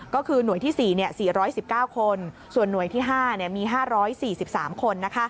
ก็คือหน่วยที่๔๔๑๙คนส่วนหน่วยที่๕มี๕๔๓คน